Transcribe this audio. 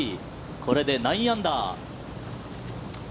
これで９アンダー。